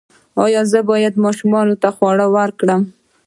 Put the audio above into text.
ایا زه باید ماشوم ته خواږه ورکړم؟